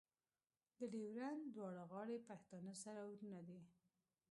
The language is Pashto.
د ډیورنډ دواړه غاړې پښتانه سره ورونه دي.